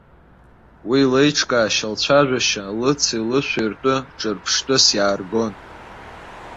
Уи леиҿкаашьа, лцәажәашьа, лыци-лышәи ртәы ҿырԥштәыс иааргон.